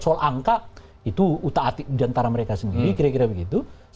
soal angka itu utak atik diantara mereka sendiri kira kira begitu